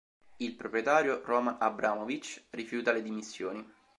Il proprietario Roman Abramovič rifiuta le dimissioni.